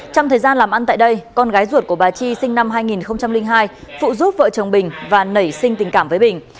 trong thời gian làm ăn tại đây con gái ruột của bà chi sinh năm hai nghìn hai phụ giúp vợ chồng bình và nảy sinh tình cảm với bình